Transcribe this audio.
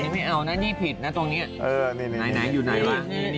ไม่เอานะนี่ผิดนะตรงนี้ไหนอยู่ไหนวะ